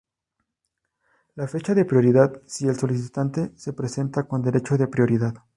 La fecha de prioridad, si el solicitante se presenta con derecho de prioridad.